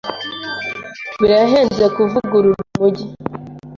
Birahenze kuvugurura umujyi.